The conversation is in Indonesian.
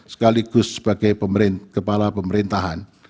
sekaligus sebagai kepala pemerintahan